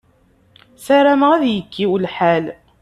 Sarameɣ ad yekkiw lḥal.